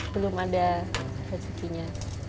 belum ada kecutinya